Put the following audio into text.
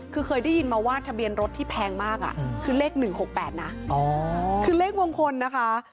คือเคยได้ยินมาว่าทะเบียนรถที่แพงมากคือเลข๑๖๘นะคือเลขมงคลนะคะ